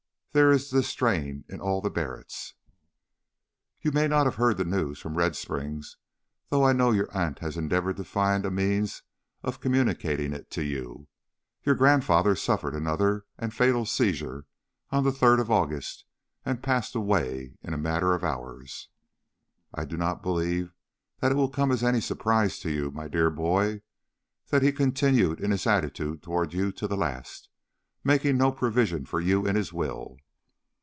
There is this strain in all the Barretts. You may not have heard the news from Red Springs, though I know your aunt has endeavored to find a means of communicating it to you. Your grandfather suffered another and fatal seizure on the third of August and passed away in a matter of hours. I do not believe that it will come as any surprise to you, my dear boy, that he continued in his attitude toward you to the last, making no provision for you in his will.